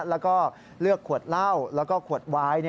แล้วก็เลือกขวดเหล้าแล้วก็ขวดวาย